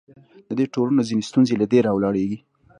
د دې ټولنو ځینې ستونزې له دې راولاړېږي.